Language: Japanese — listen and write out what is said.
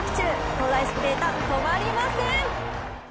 東大式データ止まりません！